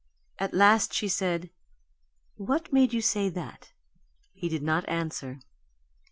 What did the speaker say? At last she said: "What made you say that?" He did not answer.